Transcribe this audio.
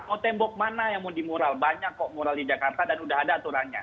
mau tembok mana yang mau dimural banyak kok moral di jakarta dan udah ada aturannya